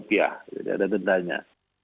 jadi ada dendanya